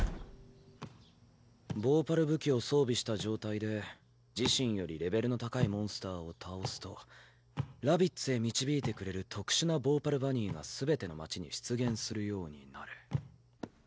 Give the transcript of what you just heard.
「ヴォーパル武器を装備した状態で自身よりレベルの高いモンスターを倒すとラビッツへ導いてくれる特殊なヴォーパルバニーが全ての街に出現するようになる」。